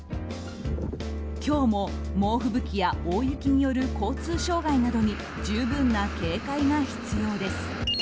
今日も猛吹雪や大雪による交通障害や十分な警戒が必要です。